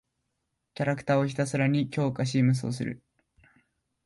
キャラクターをひたすらに強化して無双する。